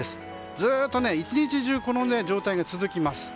ずっと、１日中この状態が続きます。